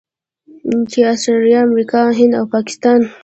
چین، اسټرلیا، امریکا، هند او پاکستان